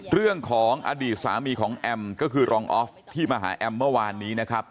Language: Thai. เรื่องของอดีตสามีของแอมก็คือรองออฟที่มาหาแอมเมื่อวานนี้นะครับ